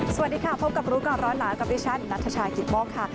สวัสดีค่ะพบกับรู้กับร้อนหลายและกับดิฉันณัฐชาขิตมกค่ะ